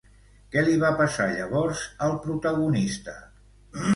Què li va passar llavors al protagonista?